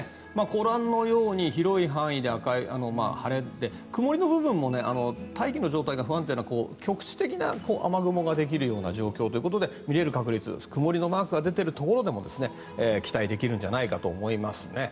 ご覧のように広い範囲で晴れで曇りの部分も大気の状態が不安定な局地的な雨雲ができる状況ということで見れる確率、曇りのマークが出ているところでも期待できるんじゃないかと思いますね。